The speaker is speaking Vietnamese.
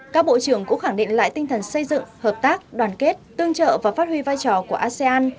các bộ trưởng cũng khẳng định lại tinh thần xây dựng hợp tác đoàn kết tương trợ và phát huy vai trò của asean